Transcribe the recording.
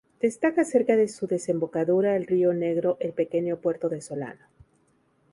Destaca cerca de su desembocadura al río Negro el pequeño puerto de Solano.